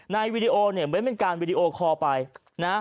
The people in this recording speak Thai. วีดีโอเนี่ยเหมือนเป็นการวีดีโอคอลไปนะ